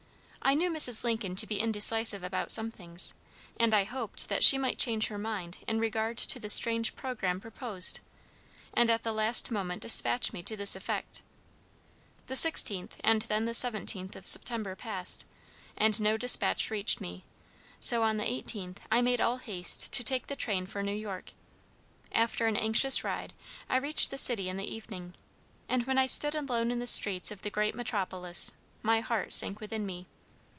I knew Mrs. Lincoln to be indecisive about some things, and I hoped that she might change her mind in regard to the strange programme proposed, and at the last moment despatch me to this effect. The 16th, and then the 17th of September passed, and no despatch reached me, so on the 18th I made all haste to take the train for New York. After an anxious ride, I reached the city in the evening, and when I stood alone in the streets of the great metropolis, my heart sank within me.